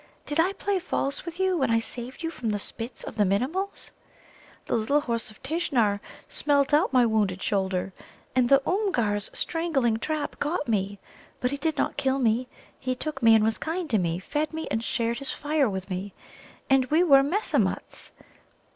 Did I play false with you when I saved you from the spits of the Minimuls? The little Horse of Tishnar smelt out my wounded shoulder. And the Oomgar's strangling trap caught me. But he did not kill me. He took me, and was kind to me, fed me and shared his fire with me, and we were 'messimuts.'